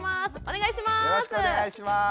お願いします。